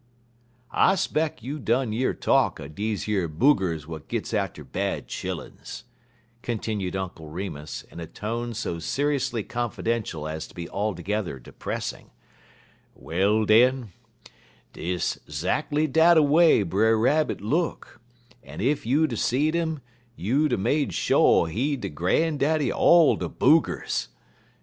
I 'speck you done year talk er deze yer booggers w'at gits atter bad chilluns," continued Uncle Remus, in a tone so seriously confidential as to be altogether depressing; "well, den, des 'zactly dat a way Brer Rabbit look, en ef you'd er seed 'im you'd er made sho' he de gran' daddy er all de booggers.